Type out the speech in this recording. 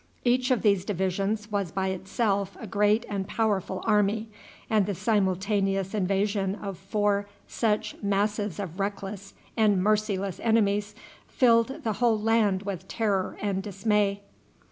Each of these divisions was by itself a great and powerful army, and the simultaneous invasion of four such masses of reckless and merciless enemies filled the whole land with terror and dismay.